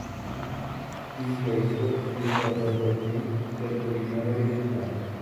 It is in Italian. In questo si usa per lo più del polimero riciclato.